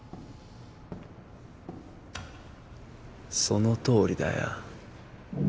そのとおりだよ。